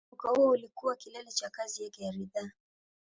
Mwaka huo ulikuwa kilele cha kazi yake ya riadha.